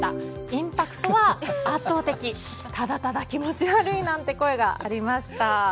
インパクトは圧倒的ただただ気持ち悪いなんて声がありました。